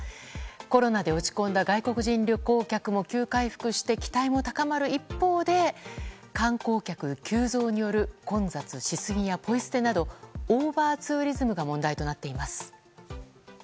コロナで落ち込んだ外国人旅行客も急回復して期待も高まる一方で観光客急増による混雑しすぎやポイ捨てなどオーバーツーリズムが問題となっています。